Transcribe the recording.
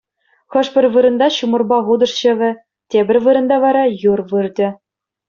Хӑш-пӗр вырӑнта ҫумӑрпа хутӑш ҫӑвӗ, тепӗр вырӑнта вара юр выртӗ.